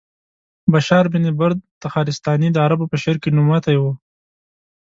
بشار بن برد تخارستاني د عربو په شعر کې نوموتی و.